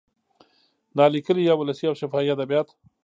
نا لیکلي یا ولسي او شفاهي ادبیات